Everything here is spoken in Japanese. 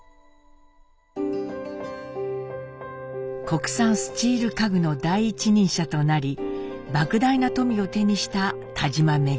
国産スチール家具の第一人者となりばく大な富を手にした田嶋恩。